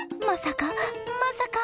まさか